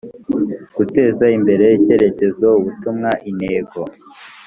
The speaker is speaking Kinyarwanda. guteza imbere icyerekezo ubutumwa intego